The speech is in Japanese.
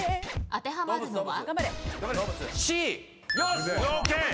当てはまるのは？